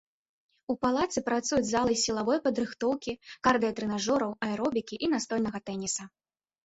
У палацы працуюць залы сілавой падрыхтоўкі, кардыя-трэнажораў, аэробікі і настольнага тэніса.